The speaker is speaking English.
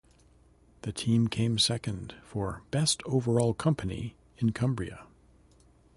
The team came second for "Best Overall Company" in Cumbria.